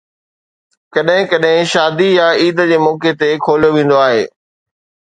ڪڏهن ڪڏهن شادي يا عيد جي موقعي تي کوليو ويندو آهي.